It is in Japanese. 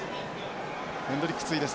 ヘンドリックツイです